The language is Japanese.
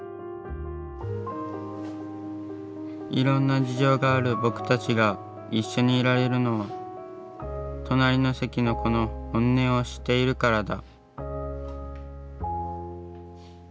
いろんな事情がある僕たちが一緒にいられるのは隣の席の子の本音を知っているからだ。